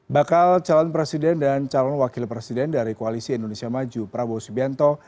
bakal calon presiden dan calon wakil presiden dari koalisi indonesia maju prabowo subianto